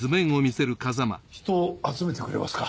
人を集めてくれますか？